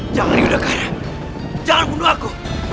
jangan diudahkan jangan bunuh aku